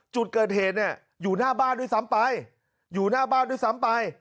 จุดเกิดเหตุอยู่หน้าบ้านด้วยซ้ำไป